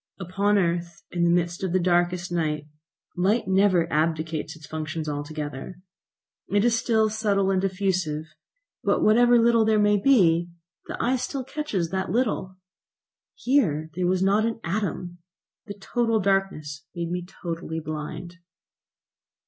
Upon earth, in the midst of the darkest night, light never abdicates its functions altogether. It is still subtle and diffusive, but whatever little there may be, the eye still catches that little. Here there was not an atom; the total darkness made me totally blind.